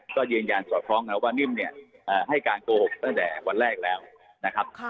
ก็ยืนยันสอดคล้องกันว่านิ่มเนี่ยให้การโกหกตั้งแต่วันแรกแล้วนะครับ